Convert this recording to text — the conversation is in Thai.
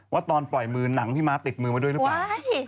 ตอนปล่อยมือหนังพี่ม้าติดมือมาด้วยหรือเปล่า